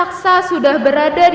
jujur sedikit bahwa saya tahan